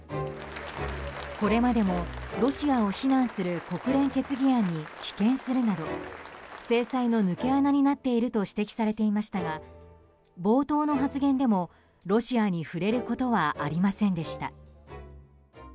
これまでもロシアを非難する国連決議案に棄権するなど制裁の抜け穴になっていると指摘されていましたが冒頭の発言でもロシアに触れることはありませんでした。